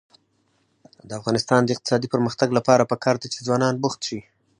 د افغانستان د اقتصادي پرمختګ لپاره پکار ده چې ځوانان بوخت شي.